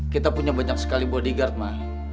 kita punya banyak sekali bodyguard ma